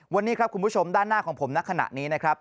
วันนี้ครับคุณผู้ชมด้านหน้าของผมณขณะนี้นะครับ